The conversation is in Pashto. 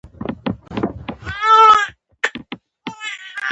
احمد او علي سره جوړه وکړه، کلونه ورسته یو له بل سره پخلا شول.